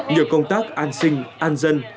nhiều công tác an sinh an dân